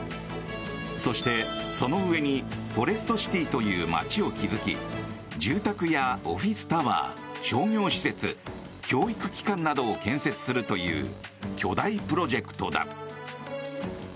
そして、その上にフォレストシティという街を築き住宅やオフィスタワー商業施設、教育機関などを建設するという巨大プロジェクトだ。